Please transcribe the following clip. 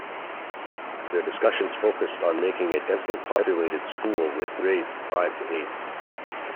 Their discussions focused on making a densely populated school with grades five to eight.